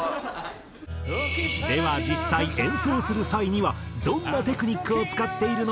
では実際演奏する際にはどんなテクニックを使っているのか？